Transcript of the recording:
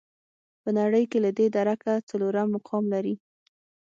په نړۍ کې له دې درکه څلورم مقام لري.